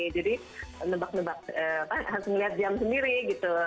jadi nebak nebak harus ngelihat jam sendiri gitu